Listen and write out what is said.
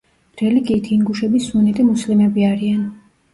რელიგიით ინგუშები სუნიტი მუსლიმები არიან.